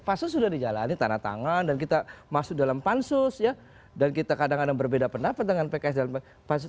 pansus sudah dijalani tanah tangan dan kita masuk dalam pansus ya dan kita kadang kadang berbeda pendapat dengan pks dan pansus